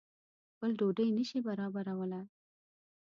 خپل ډوډۍ نه شي برابرولای.